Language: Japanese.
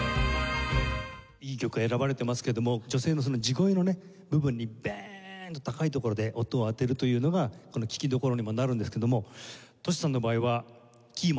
いい曲選ばれてますけども女性の地声の部分にバーンと高いところで音を当てるというのがこの聴きどころにもなるんですけどもＴｏｓｈｌさんの場合はキーも高い。